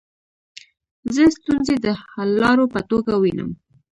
زه ستونزي د حللارو په توګه وینم.